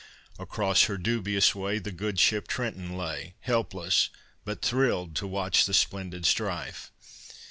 Across her dubious way The good ship Trenton lay, Helpless, but thrilled to watch the splendid strife.